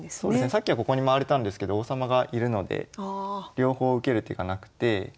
さっきはここに回れたんですけど王様がいるので両方受ける手がなくて。